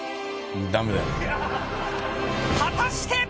果たして。